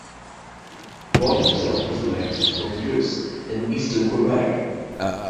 Roy himself was elected from Beauce in eastern Quebec.